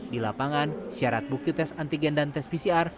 di lapangan syarat bukti tes antigen dan tes pcr